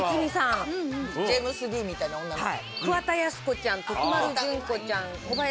『ジェームス・ディーンみたいな女の子』。